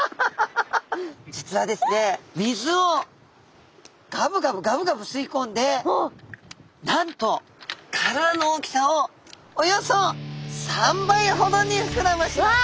実はですね水をガブガブガブガブ吸いこんでなんと体の大きさをおよそ３倍ほどに膨らませます。